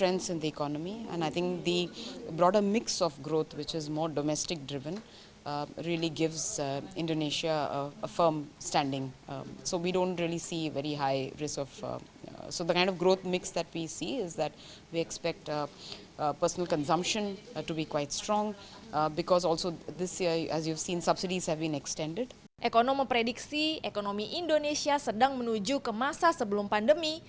ekonomi prediksi ekonomi indonesia sedang menuju ke masa sebelum pandemi